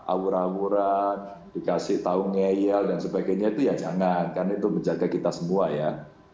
awur awuran dikasih tahu ngeyel dan sebagainya itu ya jangan karena itu menjaga kita semua ya